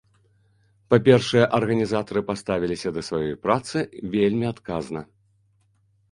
Па-першае, арганізатары паставіліся да сваёй працы вельмі адказна.